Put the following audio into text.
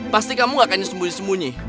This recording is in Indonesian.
pasti kamu gak akan sembunyi sembunyi